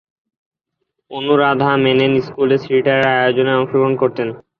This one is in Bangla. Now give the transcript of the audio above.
অনুরাধা মেনন স্কুলে থিয়েটার প্রযোজনায় অংশগ্রহণ করতেন।